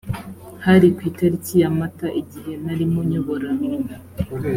hari ku itariki ya mata igihe narimo nyobora